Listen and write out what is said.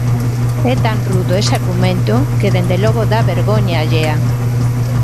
É tan rudo ese argumento que dende logo dá vergoña allea.